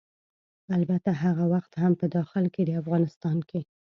البته هغه وخت هم په داخل د افغانستان کې